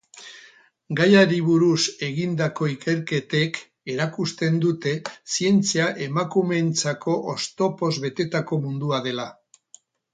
Gaiari buruz egindako ikerketek erakusten dute zientzia emakumeentzako oztopoz betetako mundua dela.